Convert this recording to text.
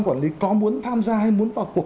quản lý có muốn tham gia hay muốn vào cuộc